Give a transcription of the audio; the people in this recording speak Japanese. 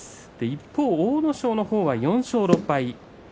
一方、阿武咲の方は４勝６敗です。